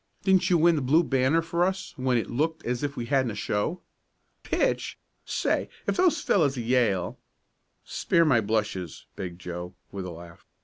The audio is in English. Didn't you win the Blue Banner for us when it looked as if we hadn't a show? Pitch! Say if those fellows at Yale " "Spare my blushes," begged Joe, with a laugh.